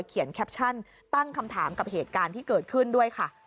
เขียนแคปชั่นตั้งคำถามกับเหตุการณ์ที่เกิดขึ้นด้วยค่ะ